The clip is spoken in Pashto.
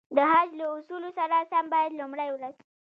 د حج له اصولو سره سم باید لومړی ورځ.